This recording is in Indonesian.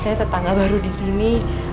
saya tetangga baru disini